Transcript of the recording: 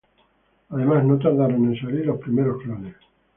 Además no tardaron en salir los primeros clones.